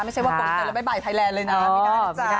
ไม่ใช่ว่าบมเตือนแล้วบายใบ่ไทยแลนด์เลยนะไม่ได้นะจ๊ะ